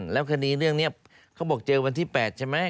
แล้วคดีเรื่องนี้เขาบอกเจอวันที่๘ใช่ไหม